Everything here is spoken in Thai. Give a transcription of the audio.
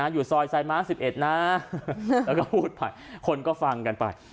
อยู่ซอยไซม้า๑๑นะแล้วก็พูดไปคนก็ฟังกันไป